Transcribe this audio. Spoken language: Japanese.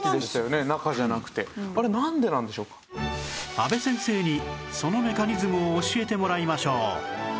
阿部先生にそのメカニズムを教えてもらいましょう